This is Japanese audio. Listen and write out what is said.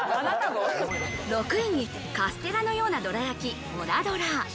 ６位にカステラのようなどら焼き、もなどら。